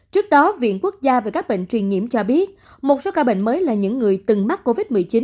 trước đó viện quốc gia về các bệnh truyền nhiễm cho biết một số ca bệnh mới là những người từng mắc covid một mươi chín